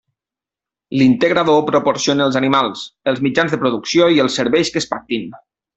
L'integrador proporciona els animals, els mitjans de producció i els serveis que es pactin.